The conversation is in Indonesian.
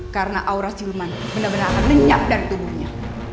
karena aura siluman benar benar akan lenyap dari tubuhnya